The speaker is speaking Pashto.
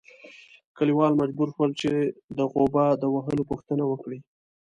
کلیوال مجبور شول چې د غوبه د وهلو پوښتنه وکړي.